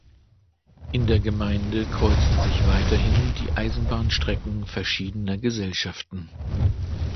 In der Gemeinde kreuzen sich weiterhin die Eisenbahnstrecken verschiedener Gesellschaften.